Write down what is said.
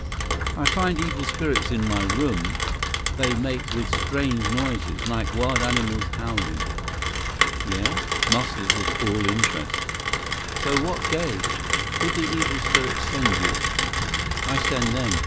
"I find evil spirits in my room. They make with strange noises, like wild animals howling." "Yeah?" Muscles was all interest. "So what gave? Did the evil spirits send you?" "I send them.